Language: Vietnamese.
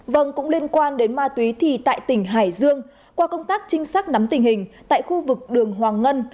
vâng cũng liên quan đến ma túy thì tại tỉnh hải dương qua công tác trinh sát nắm tình hình tại khu vực đường hoàng ngân